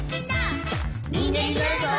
「にんげんになるぞ！」